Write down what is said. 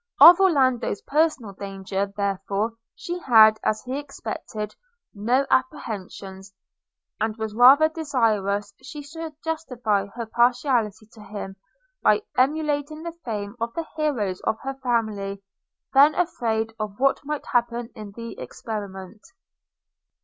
Of Orlando's personal danger, therefore, she had, as he expected, no apprehensions, and was rather desirous he should justify her partiality to him, by emulating the fame of the heroes of her family, then afraid of what might happen in the experiment.